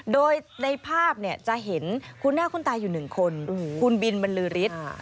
โดยในภาพจะเห็นคุณหน้าคุณตาอยู่๑คนคุณบินบรรลือฤทธิ์